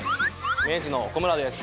明治の小村です。